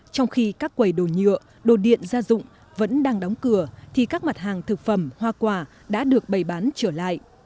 trong khi các quầy đồ nhựa đồ điện gia dụng vẫn đang đóng cửa thì các mặt hàng thực phẩm hoa quả đã được bày bán trở lại